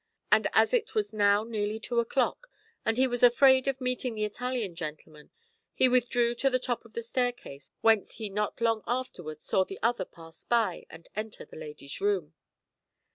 And as it was now nearly two o'clock, and he was afraid of meeting the Italian gentleman, he withdrew to the top of the staircase, whence he not long afterwards saw the other pass by and enter the lady's room.